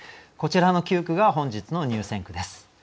こちらの９句が本日の入選句です。